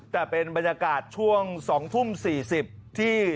แต่เป็นบรรยากาศช่วง๒ทุ่ม๔๐ที่